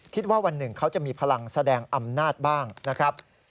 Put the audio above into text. ว่าวันหนึ่งเขาจะมีพลังแสดงอำนาจบ้างนะครับ